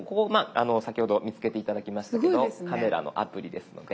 先ほど見つけて頂きましたけどカメラのアプリですので。